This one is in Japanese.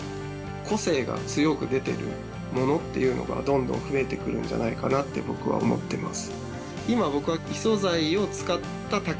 ◆個性が強く出ているものというのがどんどん増えてくるんじゃないかなと僕は思っています。